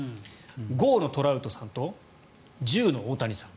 剛のトラウトさんと柔の大谷さん。